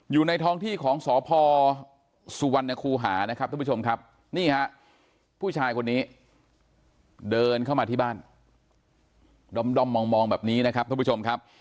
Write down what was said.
อยู่ในท้องที่ของสพสุวรรณคูหานะครับท่านผู้ชมครับ